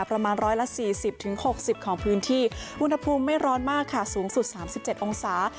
ประมาณ๑๔๐๖๐ของพื้นที่อุณหภูมิไม่ร้อนมากค่ะสูงสุด๓๗องศา